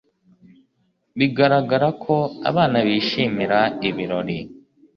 Bigaragara ko abana bishimira ibirori